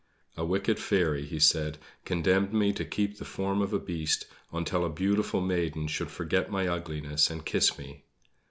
"A wicked fairy," he said, "condemned me to keep the form of a beast until a beautiful maiden should forget my ugliness and kiss me.